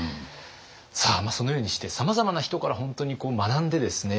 さあそのようにしてさまざまな人から本当に学んでですね